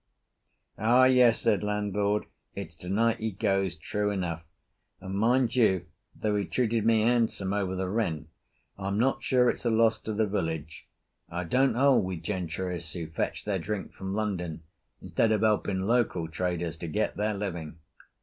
"Ah, yes," said landlord, "it's tonight he goes true enough, and, mind you, though he treated me handsome over the rent, I'm not sure it's a loss to the village. I don't hold with gentrice who fetch their drink from London instead of helping local traders to get their living."